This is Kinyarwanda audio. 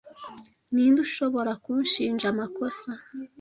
ninde ushobora kunshinja amakosa